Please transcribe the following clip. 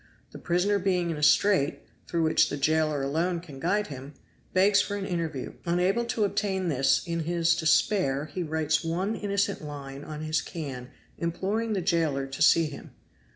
The prisoner being in a strait, through which the jailer alone can guide him, begs for an interview; unable to obtain this in his despair he writes one innocent line on his can imploring the jailer to see him.